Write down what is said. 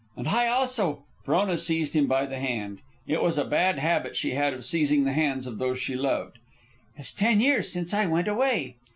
"And I, also." Frona seized him by the hand. It was a bad habit she had of seizing the hands of those she loved. "It's ten years since I went away."